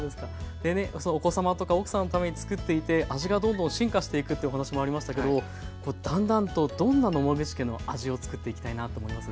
でねお子様とか奥さんのためにつくっていて味がどんどん進化していくっていうお話もありましたけどだんだんとどんな野間口家の味をつくっていきたいなって思います？